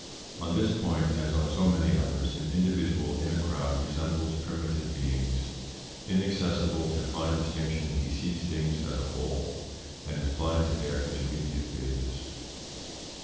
On this point, as on so many others, an individual in a crowd resembles primitive beings. Inaccessible to fine distinctions, he sees things as a whole, and is blind to their intermediate phases.